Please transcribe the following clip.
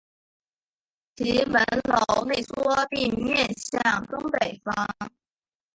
其门楼内缩并面向东北方。